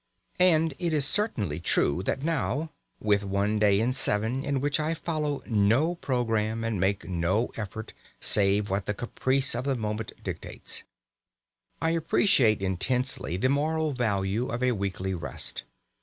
And it is certainly true that now, with one day in seven in which I follow no programme and make no effort save what the caprice of the moment dictates, I appreciate intensely the moral value of a weekly rest.